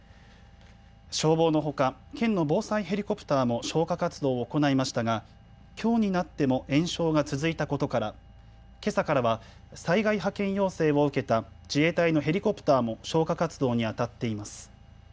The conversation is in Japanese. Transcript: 消防のほか県の防災ヘリコプターも消火活動を行いましたがきょうになっても延焼が続いたことからけさからは災害派遣要請を受けた自衛隊のヘリコプターも消火活動にあたっています。